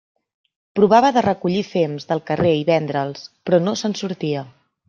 Provava de recollir fems del carrer i vendre'ls, però no se'n sortia.